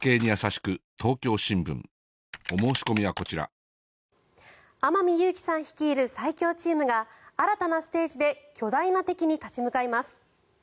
え正解は天海祐希さん率いる最強チームが新たなステージで巨大な敵に立ち向かいます。